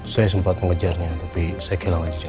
saya sempat mengejarnya tapi saya kehilangan